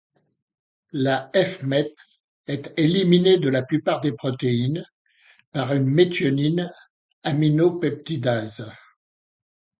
La fMet est éliminée de la plupart des protéines par une méthionine aminopeptidase.